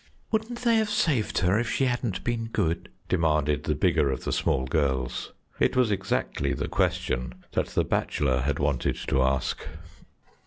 "Wouldn't they have saved her if she hadn't been good?" demanded the bigger of the small girls. It was exactly the question that the bachelor had wanted to ask.